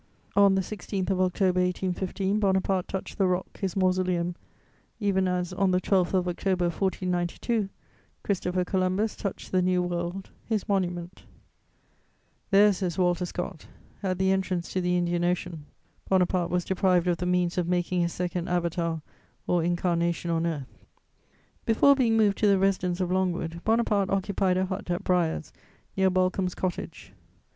[Sidenote: Arrival at St. Helena.] On the 16th of October 1815, Bonaparte touched the rock, his mausoleum, even as, on the 12th of October 1492, Christopher Columbus touched the New World, his monument: "There," says Walter Scott, "at the entrance to the Indian Ocean, Bonaparte was deprived of the means of making a second avatar or incarnation on earth." Before being moved to the residence of Longwood, Bonaparte occupied a hut at Briars, near Balcomb's Cottage.